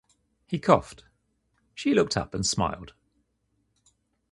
He coughed; she looked up and smiled.